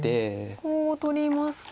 コウを取りますと。